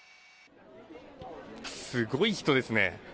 すごい人ですね。